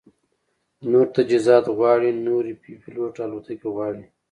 نور تجهیزات غواړي، نورې بې پیلوټه الوتکې غواړي